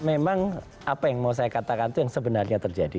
memang apa yang mau saya katakan itu yang sebenarnya terjadi